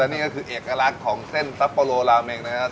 นี่ก็คือเอกลักษณ์ของเส้นซับโปโลลาเมงนะครับ